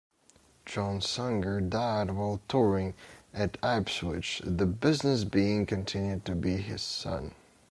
John Sanger died while touring, at Ipswich, the business being continued by his son.